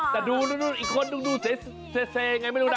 แต่ดูอีกคนดูเสียอย่างไรไม่รู้นะ